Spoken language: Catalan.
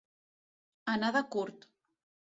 Anar de curt.